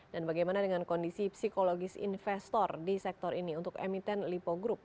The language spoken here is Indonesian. dan bagaimana dengan kondisi psikologis investor di sektor ini untuk emiten lipo group